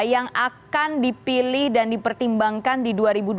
yang akan dipilih dan dipertimbangkan di dua ribu dua puluh